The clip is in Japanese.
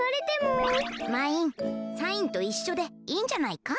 まいんサインといっしょでいいんじゃないか？